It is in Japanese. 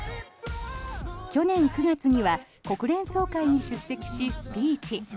去年９月には国連総会に出席しスピーチ。